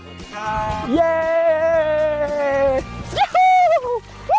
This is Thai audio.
บ๊วยจ๊า